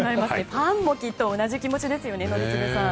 ファンもきっと同じ気持ちですよね、宜嗣さん。